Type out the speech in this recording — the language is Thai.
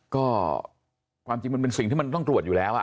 ก็ความจริงมันเป็นสิ่งที่มันต้องตรวจอยู่แล้ว